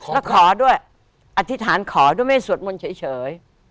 แล้วขอด้วยอธิษฐานขอด้วยไม่สวดมนต์เฉย